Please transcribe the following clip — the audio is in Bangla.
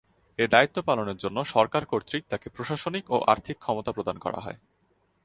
এ দায়িত্ব পালনের জন্য সরকার কর্তৃক তাকে প্রশাসনিক ও আর্থিক ক্ষমতা প্রদান করা হয়।